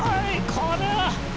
これは！